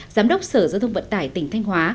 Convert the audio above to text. giám đốc sở giao thông vận tải tỉnh thanh hóa